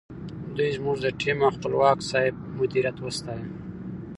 دوی زموږ د ټیم او خپلواک صاحب مدیریت وستایه.